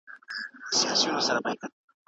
رجعي مطلقه له کومو اړخونو د هغه زوجه نه بلل کیږي؟